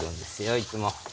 いつも。